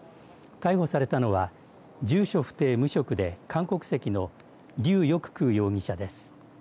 逮捕されたのは住所不定、無職で韓国籍の劉翼空容疑者です。